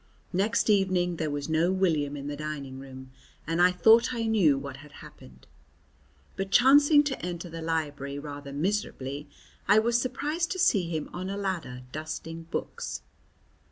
Next evening there was no William in the dining room, and I thought I knew what had happened. But, chancing to enter the library rather miserably, I was surprised to see him on a ladder dusting books.